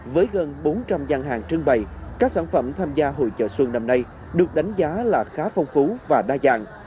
với gần bốn trăm linh gian hàng trưng bày các sản phẩm tham gia hội chợ xuân năm nay được đánh giá là khá phong phú và đa dạng